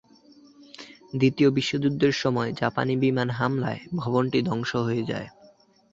দ্বিতীয় বিশ্বযুদ্ধের সময় জাপানি বিমান হামলায় ভবনটি ধ্বংস হয়ে যায়।